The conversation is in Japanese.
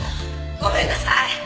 ごめんなさい！